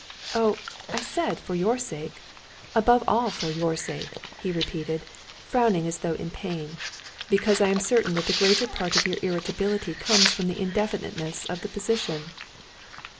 "Oh, I said: for your sake. Above all for your sake," he repeated, frowning as though in pain, "because I am certain that the greater part of your irritability comes from the indefiniteness of the position."